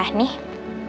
ya makasih ya sus